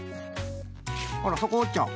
あらそこおっちゃう？